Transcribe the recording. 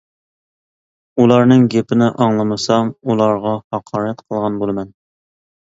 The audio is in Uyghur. ئۇلارنىڭ گېپىنى ئاڭلىمىسام ئۇلارغا ھاقارەت قىلغان بولىمەن.